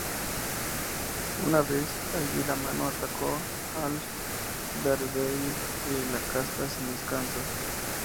Una vez allí, la Mano atacó al Daredevil y la Casta y sin descanso.